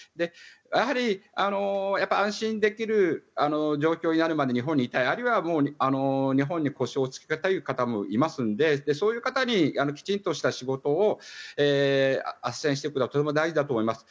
やはり安心できる状況になるまで日本にいたいあるいは日本に腰を落ち着けたいという人もいますのでそういう方にきちんとした仕事をあっせんしていくのはとても大事だと思います。